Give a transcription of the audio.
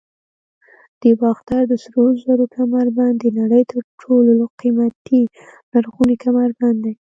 د باختر د سرو زرو کمربند د نړۍ تر ټولو قیمتي لرغونی کمربند دی